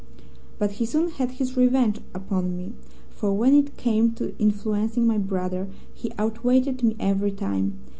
"But he soon had his revenge upon me, for when it came to influencing my brother he outweighed me every time.